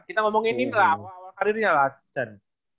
kita ngomongin ini lah awal karirnya lah cen